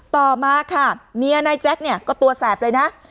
ต่อมาค่ะเมียนายแจ็คเนี่ยก็ตัวแสบเลยนะ